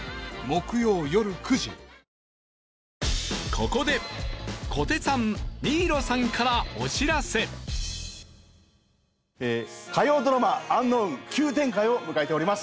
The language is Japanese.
ここで火曜ドラマ『ｕｎｋｎｏｗｎ』急展開を迎えております。